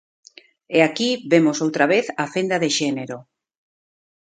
E aquí vemos outra vez a fenda de xénero.